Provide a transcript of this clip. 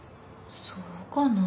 そうかな？